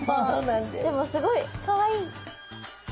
でもすごいかわいい！